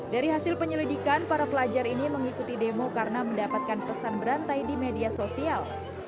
dari hasil penyelidikan para pelajar ini mengikuti demo karena mendapatkan pesan berantai di media sosial